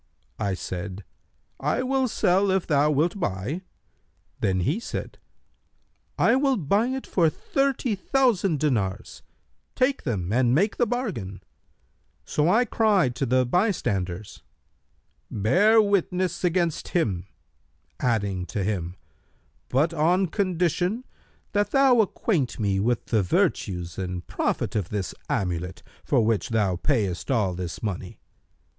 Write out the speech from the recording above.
I said, 'I will sell if thou wilt buy;' then he said, 'I will buy it for thirty thousand dinars; take them and make the bargain;' so I cried to the bystanders, 'Bear witness against him,' adding to him, 'But on condition that thou acquaint me with the virtues and profit of this amulet for which thou payest all this money.'